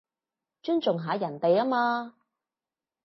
尊重下人哋吖嘛